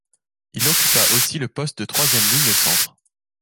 Il occupa aussi le poste de troisième ligne centre.